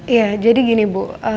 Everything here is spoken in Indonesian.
iya jadi gini bu